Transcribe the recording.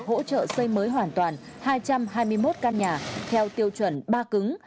hỗ trợ xây mới hoàn toàn hai trăm hai mươi một căn nhà theo tiêu chuẩn ba cứng